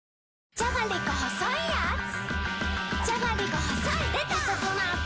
じゃがりこ細いやつ